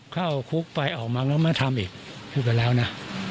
เข้าคุกไปออกมาแล้วมาทำอีกพูดไปแล้วนะ